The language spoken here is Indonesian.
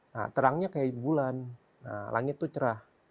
nah terangnya kayak bulan langit itu cerah